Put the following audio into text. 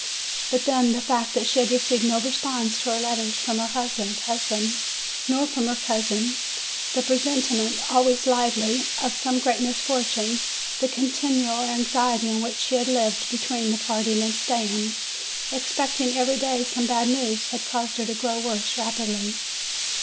But then, the fact that she had received no response to her letters from her husband, nor from her cousin, the presenti ment, always lively, of some great misfortune, the continual anxiety in which she had lived, between the parting and staying, expecting every day some bad news, had caused her to grow worse rapidly.